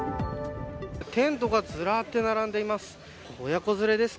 テントがずらっと並んでいます。